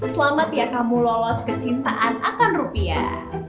selamat ya kamu lolos kecintaan akan rupiah